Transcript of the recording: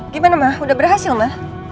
gimana ma udah berhasil ma